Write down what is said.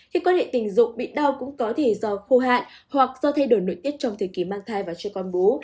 khi có thể tình dục bị đau cũng có thể do khô hạn hoặc do thay đổi nội tiết trong thời kỳ mang thai và cho con bú